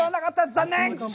残念！